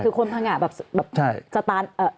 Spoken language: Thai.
คือคนผงะแบบจะตาน